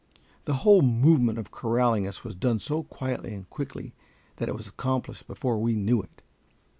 The whole movement of corralling us was done so quietly and quickly that it was accomplished before we knew it.